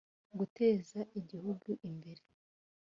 guteza igihugu imbere